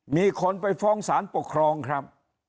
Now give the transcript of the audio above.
มีคนไปฟ้องสารปกครองครับ